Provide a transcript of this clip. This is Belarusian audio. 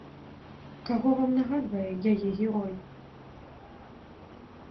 Каго вам нагадвае яе герой?